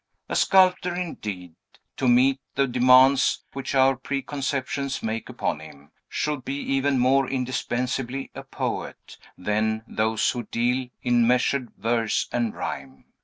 A sculptor, indeed, to meet the demands which our preconceptions make upon him, should be even more indispensably a poet than those who deal in measured verse and rhyme.